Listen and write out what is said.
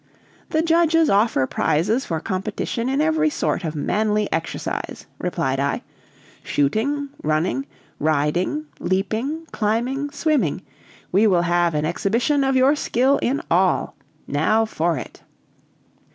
"The judges offer prizes for competition in every sort of manly exercise," replied I. "Shooting, running, riding, leaping, climbing, swimming; we will have an exhibition of your skill in all. Now for it!"